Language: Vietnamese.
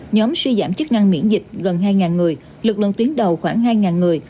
nhóm suy giảm chức năng miễn dịch gần hai người lực lượng tuyến đầu khoảng hai người